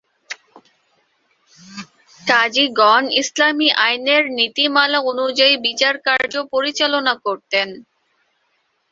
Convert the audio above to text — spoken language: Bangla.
কাজীগণ ইসলামী আইনের নীতিমালা অনুযায়ী বিচারকার্য পরিচালনা করতেন।